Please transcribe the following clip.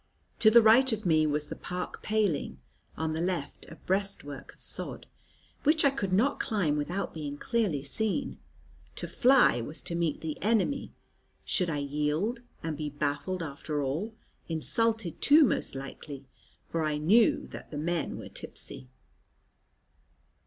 To the right of me was the park paling, on the left a breastwork of sod, which I could not climb without being clearly seen; to fly was to meet the enemy; should I yield, and be baffled after all; insulted too, most likely, for I knew that the men were tipsy?